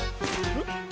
うん？